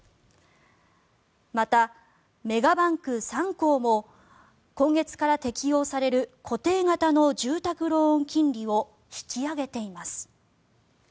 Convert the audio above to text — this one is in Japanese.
また、メガバンク３行も今月から適用される固定型の住宅ローン金利を引き上げています。